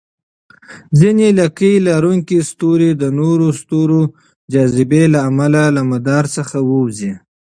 ځینې لکۍ لرونکي ستوري د نورو ستورو جاذبې له امله له مدار څخه ووځي.